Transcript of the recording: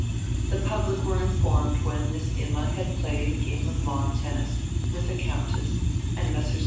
The public were informed when Miss Imma had played a game of lawn tennis with the Countess and Messrs.